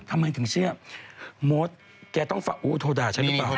ทำไมถึงเชื่อมดแกต้องโทรด่าฉันหรือเปล่า